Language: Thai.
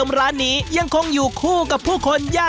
ขอบคุณมากด้วยค่ะพี่ทุกท่านเองนะคะขอบคุณมากด้วยค่ะพี่ทุกท่านเองนะคะ